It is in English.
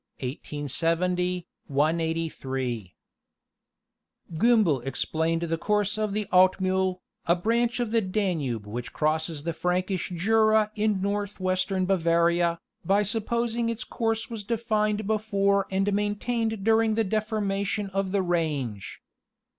Giimbel explained the course of the Altmiihl, a branch of the Danube which crosses the Frankish Jura in northwestern Bavaria, by supposing its course was defined before and maintained during the deformation of the range.